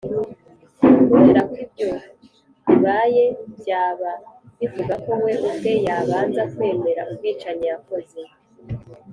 kubera ko ibyo bibaye byaba bivuga ko we ubwe yabanza kwemera ubwicanyi yakoze.